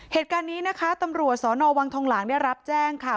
เหตุการณ์นี้นะคะตำรวจสนวังทองหลังได้รับแจ้งค่ะ